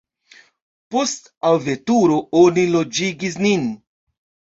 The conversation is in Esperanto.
Post alveturo oni loĝigis nin.